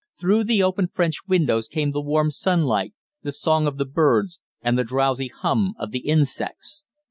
Through the open French windows came the warm sunlight, the song of the birds, and the drowsy hum of the insects.